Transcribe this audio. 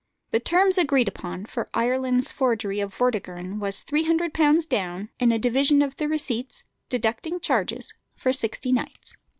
The terms agreed upon for Ireland's forgery of "Vortigern" was £300 down, and a division of the receipts, deducting charges, for sixty nights.